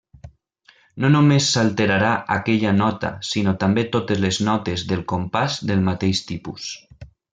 No només s'alterarà aquella nota sinó també totes les notes del compàs del mateix tipus.